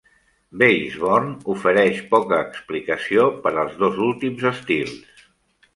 Basevorn ofereix poca explicació per als dos últims estils.